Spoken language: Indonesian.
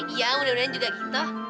iya mudah mudahan juga gitu